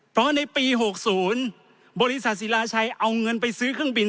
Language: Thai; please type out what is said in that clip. เพราะในปี๖๐บริษัทศิลาชัยเอาเงินไปซื้อเครื่องบิน